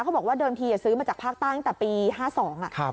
บอกว่าเดิมทีซื้อมาจากภาคใต้ตั้งแต่ปี๕๒